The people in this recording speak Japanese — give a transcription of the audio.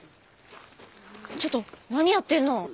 ちょっと何やってんの？